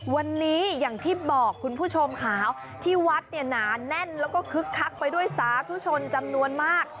วันนี้อย่างที่บอกคุณผู้ชมค่ะที่วัดเนี่ยหนาแน่นแล้วก็คึกคักไปด้วยสาธุชนจำนวนมาก